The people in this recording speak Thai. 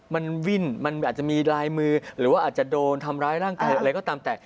มันวิ่นมันอาจจะมีลายมือหรือว่าอาจจะโดนทำร้ายร่างกายอะไรก็ตามแต่